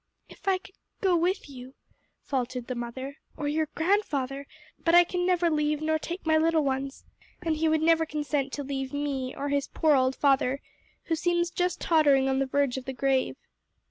"If I could go with you," faltered the mother, "or your grandfather; but I can neither leave nor take my little ones, and he would never consent to leave me, or his poor old father, who seems just tottering on the verge of the grave."